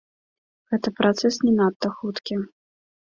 Гэта працэс не надта хуткі.